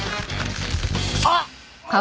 あっ！